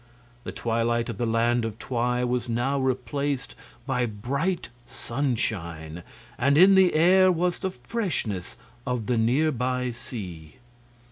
The twilight of the Land of Twi was now replaced by bright sunshine, and in the air was the freshness of the near by sea.